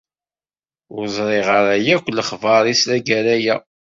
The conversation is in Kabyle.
Ur ẓriɣ ara akk lexbar-is tagara-a.